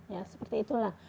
ya seperti itulah